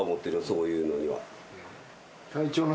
そういうのには。